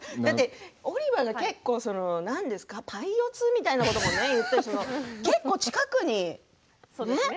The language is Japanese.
だってオリバーが結構、なんですかパイオツみたいなことも言ったり結構、近くに。ね？